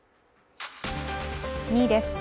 ２位です。